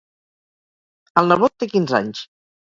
El nebot té quinze anys.